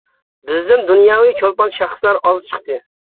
بىزدىن دۇنياۋى چولپان شەخسلەر ئاز چىقتى.